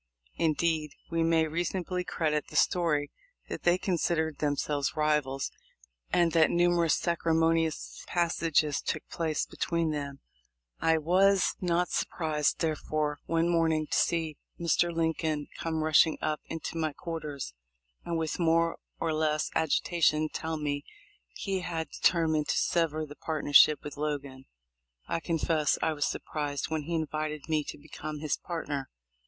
Indeed, we may reasonably credit the story that they com sidered themselves rivals, and that numerous sacri* monious passages took place between them. I was 266 THE LIFE 0F LINCOLN. not surprised, therefore, one morning, to see Mr. Lincoln come rushing up into my quarters and with more or less agitation tell me he had determined to sever the partnership with Logan. I confess I was surprised when he invited me to become his part ner.